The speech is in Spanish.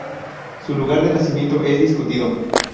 Su lugar de nacimiento es discutido.